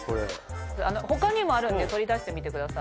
他にもあるんで取り出してみてください。